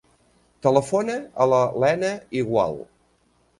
Telefona a la Lena Igual.